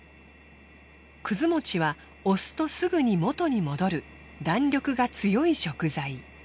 葛餅は押すとすぐに元に戻る弾力が強い食材。